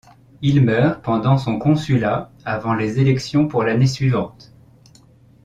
Il meurt pendant son consulat avant les élections pour l'année suivante.